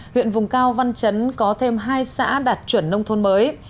huyện vùng cao văn chấn có thêm hai xã đạt chuẩn nông thôn mới